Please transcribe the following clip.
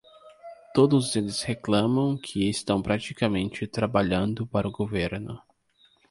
Todos eles reclamam que estão praticamente trabalhando para o governo.